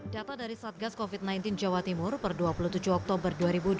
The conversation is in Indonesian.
data dari satgas covid sembilan belas jawa timur per dua puluh tujuh oktober dua ribu dua puluh